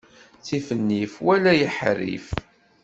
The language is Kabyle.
Ttif nnif wala iḥerrif.